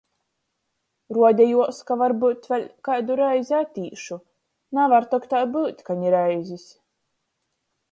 Ruodejuos, ka varbyut vēļ kaidu reizi atīšu. Navar tok tai byut, ka ni reizis.